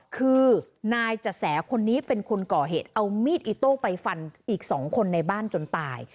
คือนายจะแสคนนี้เป็นคนก่อเหตุเอามีดอิโต้ไปฟันอีก๒คนในบ้านจนตาย